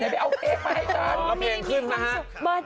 ไปเอาเพลงมาให้กัน